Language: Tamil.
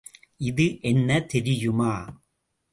இது என்ன தெரியுமா?